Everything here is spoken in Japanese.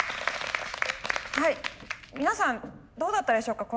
皆さんどうだったでしょうか。